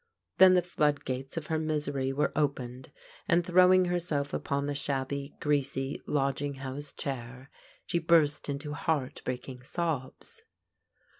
Then the flood gates of her misery were opened, and throwing herself upon the shabby, greasy lodging house chair, she burst into heart breaking sobs.